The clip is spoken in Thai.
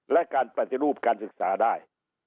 และการปฏิรูปการศึกษาได้